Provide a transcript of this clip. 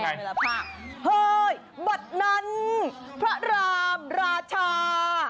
เฮ้ยบทนั้นพระรามราชา